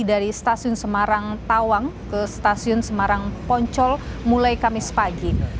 dari stasiun semarang tawang ke stasiun semarang poncol mulai kamis pagi